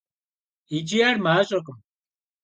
ИкӀи ар мащӀэкъым.